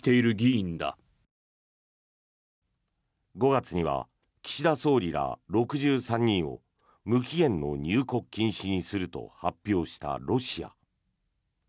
５月には岸田総理ら６３人を無期限の入国禁止にすると発表したロシア。